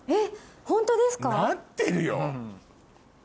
なってるよ。